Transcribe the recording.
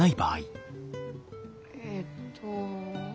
えっと。